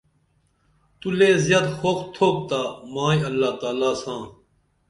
تو لے زِیت خوخ تُھپ تا مائی اللہ تعالی ساں